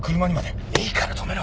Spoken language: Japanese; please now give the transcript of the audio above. いいから止めろ。